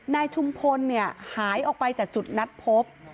นายชุมพลหายออกไปจากจุดนัดพบ